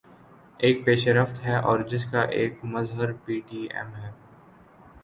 ایک پیش رفت اور ہے جس کا ایک مظہر پی ٹی ایم ہے۔